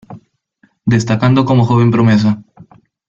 Destacando como joven promesa.